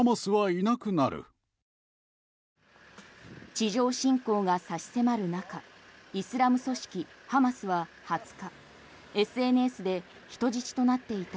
地上侵攻が差し迫る中イスラム組織ハマスは２０日ＳＮＳで人質となっていた